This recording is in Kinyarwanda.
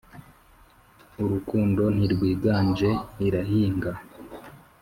urukundo ntirwiganje; irahinga.